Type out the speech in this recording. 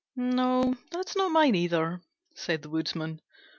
"No, that is not mine either," said the Woodman.